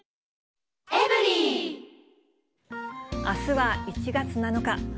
あすは１月７日。